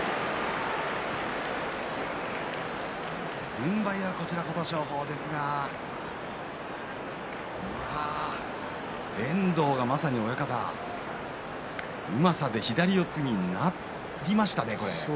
軍配は琴勝峰ですが遠藤がまさに親方うまさで左四つになりましたね。